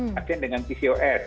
pasien dengan pcos